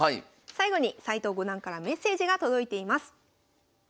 最後に斎藤五段からメッセージが届いています。